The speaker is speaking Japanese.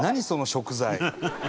その食材。